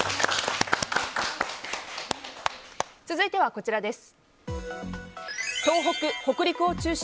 続いてはこちらです。